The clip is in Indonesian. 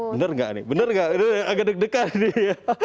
bener gak nih bener gak agak deg degan nih